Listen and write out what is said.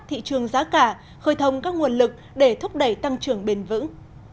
thị trường giá cả khơi thông các nguồn lực để thúc đẩy tăng trưởng bền vững